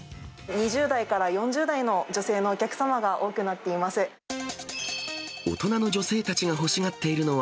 ２０代から４０代の女性のお客様が多くなっています。